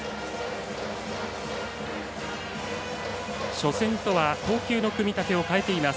初戦とは投球の組み立てを変えています。